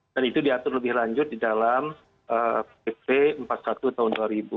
dan itu diatur lebih lanjut di dalam pp empat puluh satu tahun dua ribu